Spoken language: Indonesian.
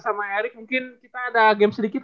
sama eric mungkin kita ada games sedikit